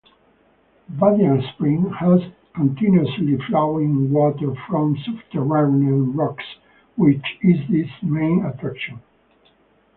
Badiang Spring has continuously flowing water from subterranean rocks, which is its main attraction.